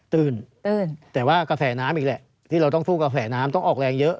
ตื้นแต่ว่ากระแสน้ำอีกแหละที่เราต้องสู้กระแสน้ำต้องออกแรงเยอะ